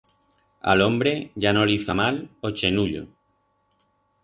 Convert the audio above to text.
A l'hombre ya no li fa mal o chenullo.